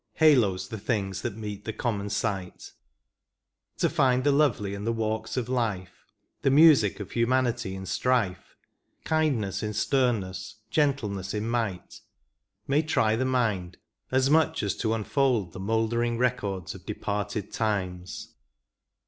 Haloes the things that meet the common sight : To find the lovely in the walks of life, The music of humanity in strife. Kindness in sternness, gentleness in might, May try the mind as much as to unfold The mouldering records of departed times.